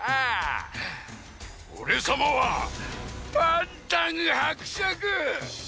おれさまはパンタンはくしゃく！